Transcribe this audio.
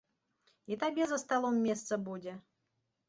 І табе за сталом месца будзе.